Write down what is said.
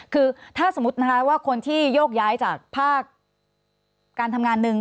คือถ้าสมมุตินะคะว่าคนที่โยกย้ายจากภาคการทำงานหนึ่ง